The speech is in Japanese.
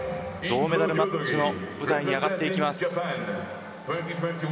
銅メダルマッチの舞台に上がっていきます。